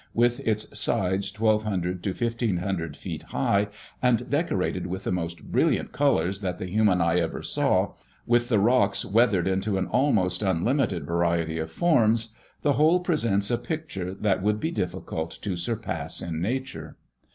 with its sides 1,200 to 1,500 feet high, and decorated with the most brilliant colors that the human eye ever saw, with the rocks weathered into an almost unlimited variety of forms ... the whole presents a picture that would be difficult to surpass in nature."